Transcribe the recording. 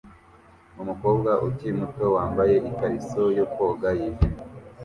Umukobwa ukiri muto wambaye ikariso yo koga yijimye